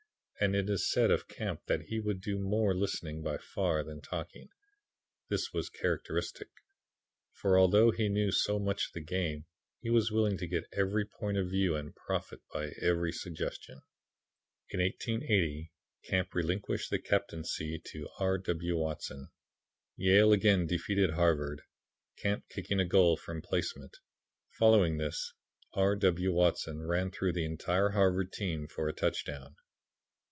And it is said of Camp that he would do more listening by far than talking. This was characteristic, for although he knew so much of the game he was willing to get every point of view and profit by every suggestion. In 1880 Camp relinquished the captaincy to R. W. Watson. Yale again defeated Harvard, Camp kicking a goal from placement. Following this R. W. Watson ran through the entire Harvard team for a touchdown.